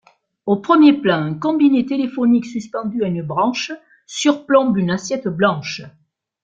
Au premier plan, un combiné téléphonique suspendu à une branche surplombe une assiette blanche.